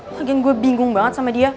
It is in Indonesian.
lagian gue bingung banget sama dia